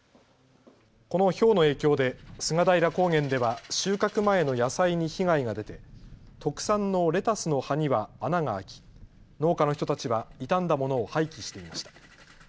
このひょうの影響で菅平高原では収穫前の野菜に被害が出て特産のレタスの葉には穴が開き農家の人たちは傷んだものを廃棄していました。